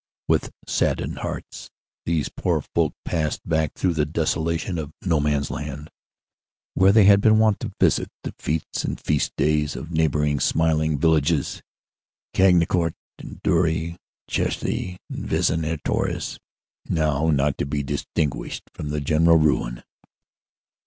With saddened hearts these poor folk passed back through the desolation of No Man s Land, where they had been wont to visit the fetes and feast days of neighboring smiling villages Cagnicourt and Dury, Cherisy and Vis en Artois, now not to be distinguished from the gen eral ruin.